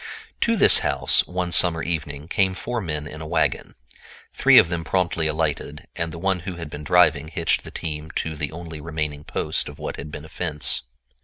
To this house, one summer evening, came four men in a wagon. Three of them promptly alighted, and the one who had been driving hitched the team to the only remaining post of what had been a fence.